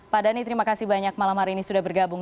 pak dhani terima kasih banyak malam hari ini sudah bergabung